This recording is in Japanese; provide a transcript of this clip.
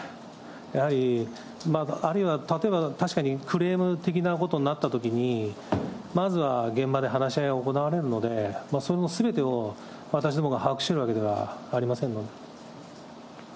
やはりあるいは確かにクレーム的なことになったときに、まずは現場で話し合いが行われるので、そのすべてを私どもが把握しているわけではありませんので。